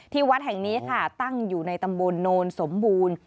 วัดแห่งนี้ค่ะตั้งอยู่ในตำบลโนนสมบูรณ์